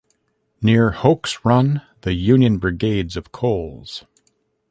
Near Hoke's Run, the Union brigades of Cols.